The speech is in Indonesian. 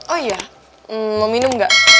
oh iya mau minum gak